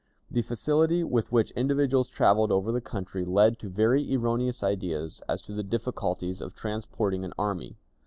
The facility with which individuals traveled over the country led to very erroneous ideas as to the difficulties of transporting an army.